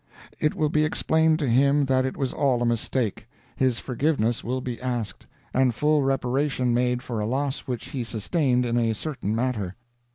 "it will be explained to him that it was all a mistake; his forgiveness will be asked, and full reparation made for a loss which he sustained in a certain matter."